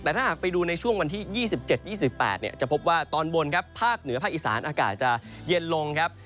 แต่ถ้าหากไปดูในช่วงวันที่๒๗๒๘จะพบว่าตอนบนครับภาคเหนือภาคอีสานอากาศจะเย็นลงครับ